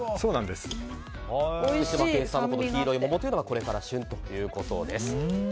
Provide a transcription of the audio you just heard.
福島県産の黄色い桃はこれから旬ということです。